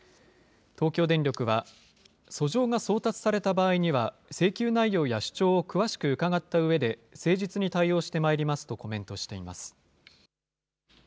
東京電力は訴状が送達された場合には、請求内容や主張を詳しく伺ったうえで、誠実に対応してまいりますとコメントしています。